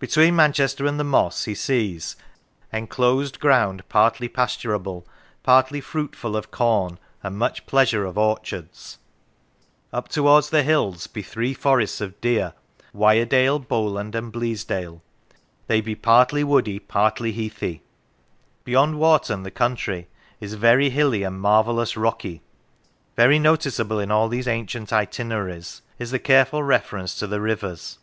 Between Manchester and the Moss he sees " en closed ground partly pasturable, partly fruitful of corn, and much pleasure of orchards." " Up towards 75 Lancashire the hills be three forests of deer, Wyerdale, Bowland, and Bleasdale. They be partly woody, partly heathy." Beyond Warton the country is " very hilly and mar vellous rocky." Very noticeable in all these ancient itineraries is the careful reference to the rivers.